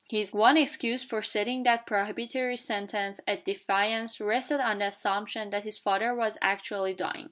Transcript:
His one excuse for setting that prohibitory sentence at defiance rested on the assumption that his father was actually dying.